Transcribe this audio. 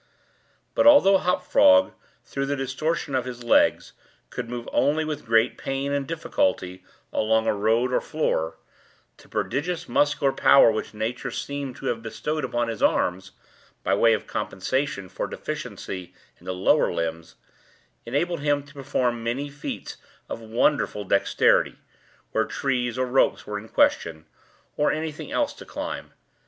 But although Hop Frog, through the distortion of his legs, could move only with great pain and difficulty along a road or floor, the prodigious muscular power which nature seemed to have bestowed upon his arms, by way of compensation for deficiency in the lower limbs, enabled him to perform many feats of wonderful dexterity, where trees or ropes were in question, or any thing else to climb.